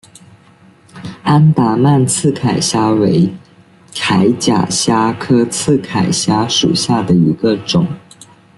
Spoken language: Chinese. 安达曼刺铠虾为铠甲虾科刺铠虾属下的一个种。